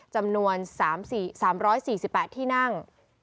จำนวน๓๔๘ที่นั่ง